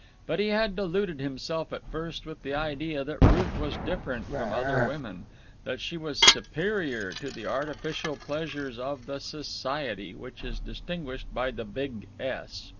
But he had deluded himself at first with the idea that Ruth was different from other women, that she was superior to the artificial pleasures of the Society which is distinguished by the big S.